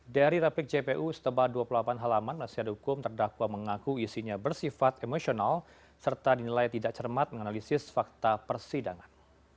dari replik jpu setebal dua puluh delapan halaman penasihat hukum terdakwa mengaku isinya bersifat emosional serta dinilai tidak cermat menganalisis fakta persidangan